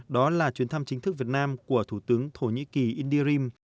đó là chuyến thăm chính thức việt nam của thủ tướng thổ nhĩ kỳ indirim